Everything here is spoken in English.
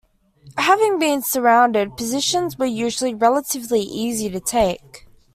Having been surrounded, positions were usually relatively easy to take.